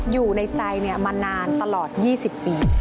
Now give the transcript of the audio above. อยู่ในใจมานานตลอด๒๐ปี